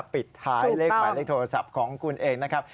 ปิดท้ายเลขหมายเลขโทรศัพท์ของคุณเองนะครับ